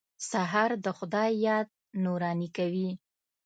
سهار د خدای یاد نوراني کوي.